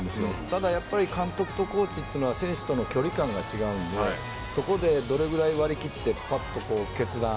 ただ、監督とコーチというのは選手との距離感が違うのでそこでどれぐらい割り切って決断。